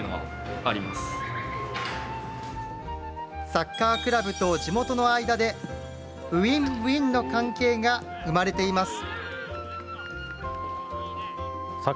サッカークラブと地元の間でウィンウィンの関係が生まれています。